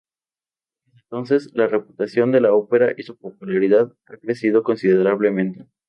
Desde entonces, la reputación de la ópera y su popularidad han crecido considerablemente.